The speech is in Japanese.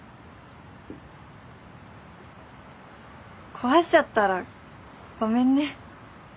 壊しちゃったらごめんね。